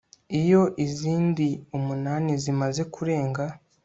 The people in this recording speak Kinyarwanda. iyo izindi umunani zimaze kurenga